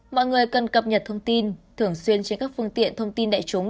mọi người cần cập nhật thông tin thường xuyên trên các phương tiện thông tin đại chúng